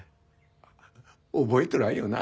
覚えとらんよな。